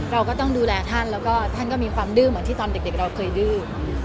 เราก็ต้องดูแลท่านแล้วก็ท่านก็มีความดื้อเหมือนที่ตอนเด็กเราเคยดื้อ